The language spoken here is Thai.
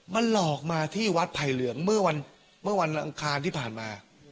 มันหลอกมาที่วัดไผ่เหลืองเมื่อวันอังคารที่ผ่านมา